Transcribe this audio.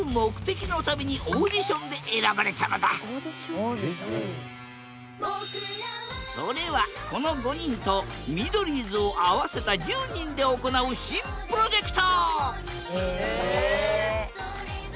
実はそれはこの５人とミドリーズを合わせた１０人で行う新プロジェクト！